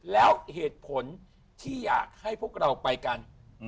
แล้วเหตุผลที่อยากให้พวกเราไปกัน